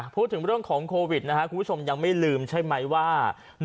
พูดถึงเรื่องของโควิดนะครับคุณผู้ชมยังไม่ลืมใช่ไหมว่า